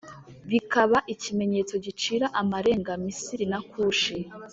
bikaba ikimenyetso gicira amarenga Misiri na Kushi.